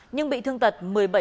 nhưng bị thương tật một mươi bảy